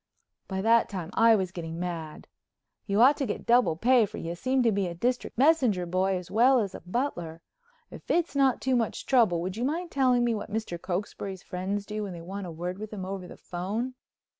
By that time I was getting mad. "You ought to get double pay, for you seem to be a District Messenger boy as well as a butler. If it's not too much trouble would you mind telling me what Mr. Cokesbury's friends do when they want a word with him over the phone?"